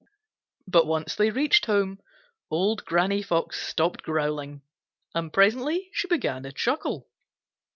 But once they reached home, Old Granny Fox stopped growling, and presently she began to chuckle.